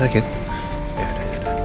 masak ke rumah sakit